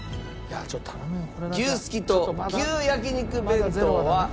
牛すきと牛焼肉弁当は１位。